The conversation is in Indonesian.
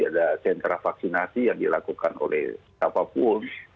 ada sentra vaksinasi yang dilakukan oleh siapapun